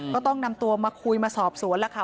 ก็ต้องนำตัวมาคุยมาสอบสวนแล้วค่ะ